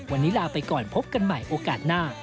วันนี้ลาไปก่อนพบกันใหม่โอกาสหน้า